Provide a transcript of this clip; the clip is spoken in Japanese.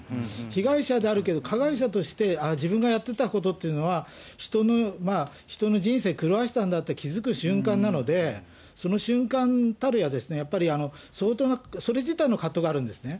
被害者であるけど、加害者として、自分がやってたことというのは、人の人生狂わしたんだって気付く瞬間なので、その瞬間たるや、やっぱり相当な、それ自体の葛藤があるんですね。